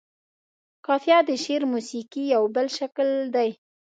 قافيه د شعر موسيقۍ يو بل شکل دى.